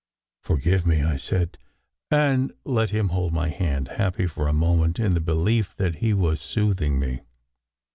"Forgive me," I said, and let him hold my hand, happy for a moment in the belief that he was soothing me.